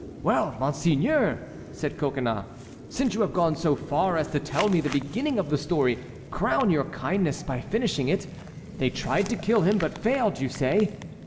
"Well, monseigneur!" said Coconnas, "since you have gone so far as to tell me the beginning of the story, crown your kindness by finishing it. They tried to kill him, but failed, you say.